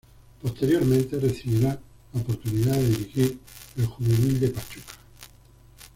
Posteriormente, recibirá la oportunidad de dirigir el juvenil de Pachuca.